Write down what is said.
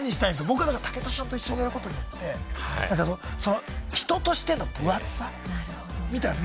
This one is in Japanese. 僕はだから武田さんと一緒にやることによってその人としての分厚さみたいなの身に付けたい。